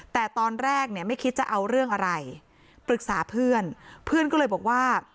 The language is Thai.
แต่ตอนแรกเนี่ยไม่คิดจะเอาเรื่องอะไรปรึกษาเพื่อนเพื่อนก็เลยบอกว่า